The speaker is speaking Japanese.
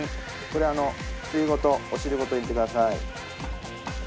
これ汁ごとお汁ごと入れてください。